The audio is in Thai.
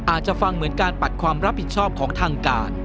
อาจจะฟังเหมือนการปัดความรับผิดชอบของทางการ